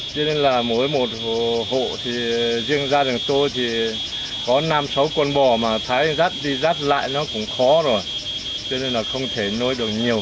cho nên là mỗi một hộ thì riêng gia đình tôi thì có năm sáu con bò mà thấy rát đi rát lại nó cũng khó rồi